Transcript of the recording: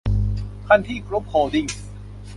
คันทรี่ กรุ๊ป โฮลดิ้งส์